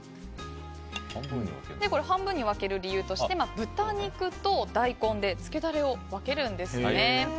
半分に分ける理由として豚肉と大根で漬けダレを分けるんですね。